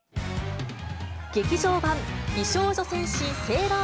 劇場版美少女戦士セーラー